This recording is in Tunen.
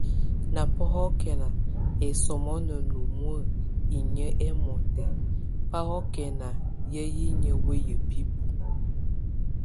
Na bɔ́hɔkɛn esomó na lumuek inyʼ émɔtɛ, bɔ́hɔkɛna yay ínye weya bíbu.